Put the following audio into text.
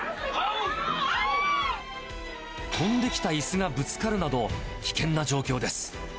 飛んできたいすがぶつかるなど、危険な状況です。